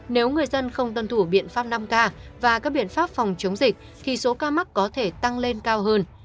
nếu người dân không tuân thủ biện pháp năm k và các biện pháp phòng chống dịch thì số ca mắc có thể tăng lên cao hơn